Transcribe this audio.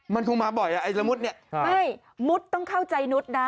มันคงมาบ่อยอ่ะไอ้สมุดเนี่ยไม่มุดต้องเข้าใจนุษย์นะ